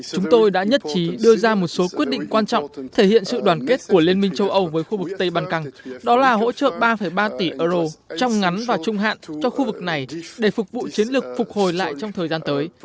chúng tôi đã nhất trí đưa ra một số quyết định quan trọng thể hiện sự đoàn kết của liên minh châu âu với khu vực tây ban căng đó là hỗ trợ ba ba tỷ euro trong ngắn và trung hạn cho khu vực này để phục vụ chiến lược phục hồi lại trong thời gian tới